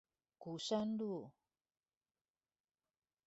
鼓山路